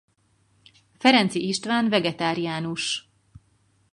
Ferenczi István vegetáriánus.